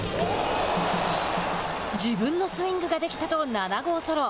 自分のスイングができたと７号ソロ。